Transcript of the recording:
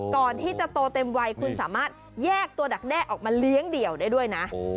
ก่อนที่จะโตเต็มวัยคุณสามารถแยกตัวดักแด้ออกมาเลี้ยงเดี่ยวได้ด้วยนะ